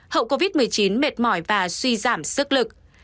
hậu covid một mươi chín mệt mỏi và suy giảm sức lực